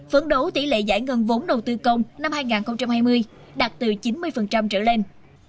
phấn đấu tỷ lệ giải ngân vốn đầu tư công năm hai nghìn hai mươi đạt từ chín mươi trở lên